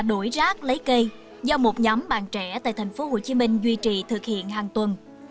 đổi rác lấy cây do một nhóm bạn trẻ tại tp hcm duy trì thực hiện hàng tuần